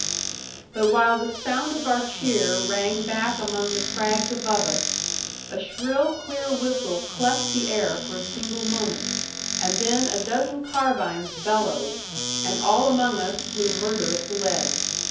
But while the sound of our cheer rang back among the crags above us, a shrill clear whistle cleft the air for a single moment, and then a dozen carbines bellowed, and all among us flew murderous lead.